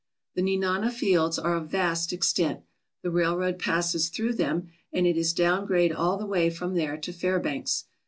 The Nenana fields are of vast extent. The railroad passes through them, and it is down grade all the way from there to Fairbanks.